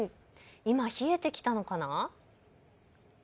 今、冷えてきたのかな？